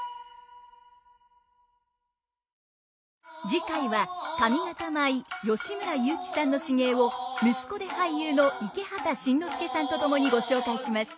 次回は上方舞吉村雄輝さんの至芸を息子で俳優の池畑慎之介さんと共にご紹介します。